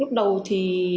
lúc đầu thì